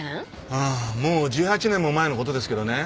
ああもう１８年も前のことですけどね。